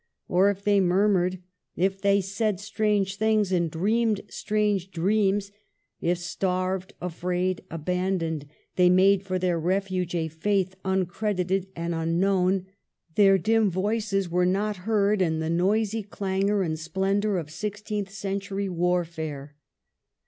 Or, if they murmured ; if they said strange things and dreamed strange dreams ; if, starved, afraid, abandoned, they made for their refuge a faith uncredited and unknown, their dim voices were not heard in the noisy clangor and splendor of sixteenth century war fare.